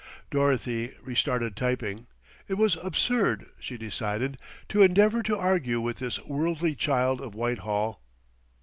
Dorothy re started typing. It was absurd, she decided, to endeavour to argue with this worldly child of Whitehall.